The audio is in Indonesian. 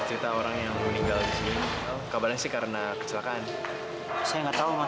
sampai jumpa di video selanjutnya